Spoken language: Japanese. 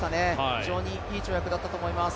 非常にいい跳躍だったと思います。